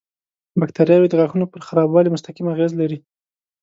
باکتریاوې د غاښونو پر خرابوالي مستقیم اغېز لري.